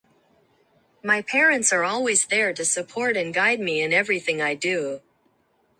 My parents are always there to support and guide me in everything I do.